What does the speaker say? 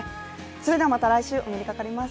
それではまた来週お目にかかります。